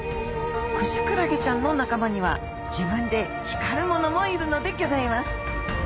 クシクラゲちゃんの仲間には自分で光るものもいるのでぎょざいます。